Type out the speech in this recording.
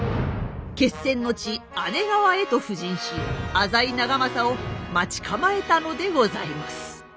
決戦の地姉川へと布陣し浅井長政を待ち構えたのでございます。